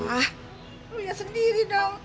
ah lihat sendiri dong